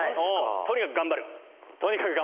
とにかく頑張る。